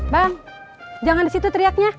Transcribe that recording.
bang jangan di situ teriaknya